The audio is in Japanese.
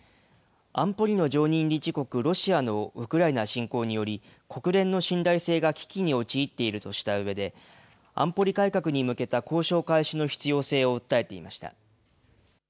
安保理の常任理事国、ロシアのウクライナ侵攻により、国連の信頼性が危機に陥っているとしたうえで、安保理改革に向けた交渉開始の必要性を訴えていました。